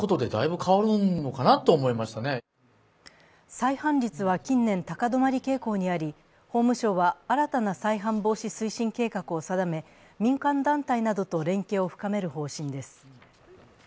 再犯率は近年、高止まり傾向にあり法務省は新たな再犯防止推進計画を定め民間団体などと連携を深める方針です。